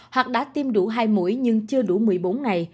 hoặc đã tiêm đủ hai mũi nhưng chưa đủ một mươi bốn ngày